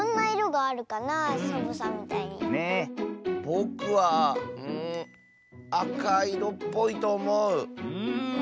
ぼくはうんあかいろっぽいとおもう。